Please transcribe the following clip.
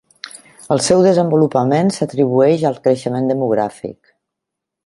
El seu desenvolupament s'atribueix al creixement demogràfic.